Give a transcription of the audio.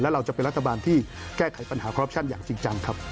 เราจะเป็นรัฐบาลที่แก้ไขปัญหาคอรัปชั่นอย่างจริงจังครับ